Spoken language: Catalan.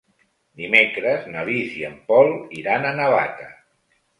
Dimecres na Lis i en Pol iran a Navata.